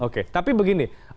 oke tapi begini